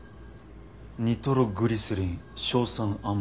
「ニトログリセリン」「硝酸アンモニウム」。